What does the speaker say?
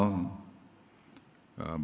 bapak jusman safi jamal